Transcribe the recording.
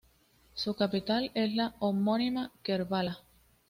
Su capital es la homónima Kerbala.